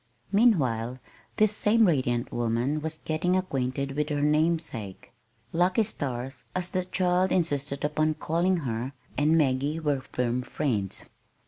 Meanwhile this same radiant young woman was getting acquainted with her namesake. "Lucky Stars," as the child insisted upon calling her, and Maggie were firm friends.